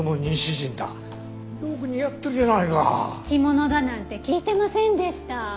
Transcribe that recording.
着物だなんて聞いてませんでした。